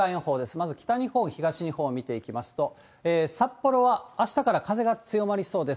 まず北日本、東日本を見ていきますと、札幌はあしたから風が強まりそうです。